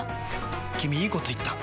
君いいこと言った！